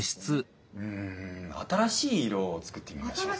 うん新しい色を作ってみましょうか。